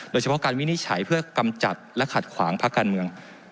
โดยเฉพาะการวินิจฉัยเพื่อกำจัดและขัดขวางพักการเมือง